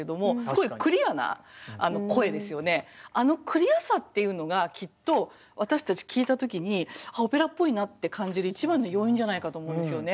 まあ確かにあのクリアさっていうのがきっと私たち聴いた時に「オペラっぽいな」って感じる一番の要因じゃないかと思うんですよね。